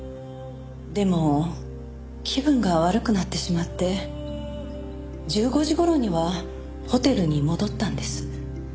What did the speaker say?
でも気分が悪くなってしまって１５時頃にはホテルに戻ったんです。